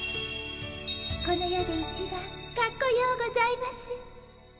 この世で一番かっこようございます。